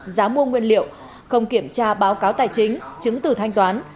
giá mua nguyên liệu không kiểm tra báo cáo tài chính chứng từ thanh toán